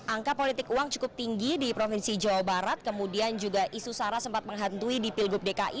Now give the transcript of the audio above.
angka politik uang cukup tinggi di provinsi jawa barat kemudian juga isu sarah sempat menghantui di pilgub dki